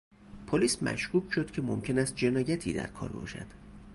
پلیس مشکوک شد که ممکن است جنایتی در کار باشد.